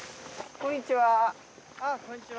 こんにちは。